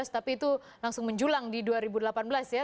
tapi itu langsung menjulang di dua ribu delapan belas ya